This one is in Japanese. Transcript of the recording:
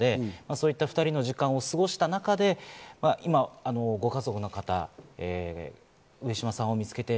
そういった２人の時間を過ごした中で、ご家族の方が上島さんを見つけて